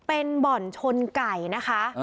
เป็นบ่อนชนไก่นะคะ